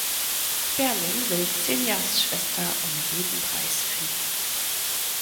Sperling will Zenias Schwester um jeden Preis finden.